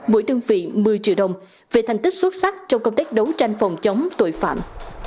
mỗi đơn vị một mươi triệu đồng về thành tích xuất sắc trong công tác đấu tranh phòng chống tội phạm